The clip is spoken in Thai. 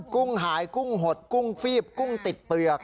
กุ้งหายกุ้งหดกุ้งฟีบกุ้งติดเปลือก